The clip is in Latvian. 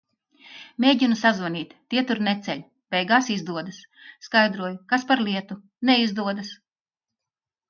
Mēģinu sazvanīt, tie tur neceļ, beigās izdodas. Skaidroju, kas par lietu, neizdodas.